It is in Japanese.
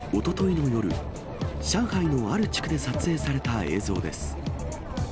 これはおとといの夜、上海のある地区で撮影された映像です。